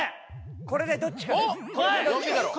これでどっちかです。